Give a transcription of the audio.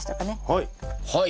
はい。